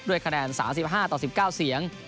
คะแนน๓๕ต่อ๑๙เสียง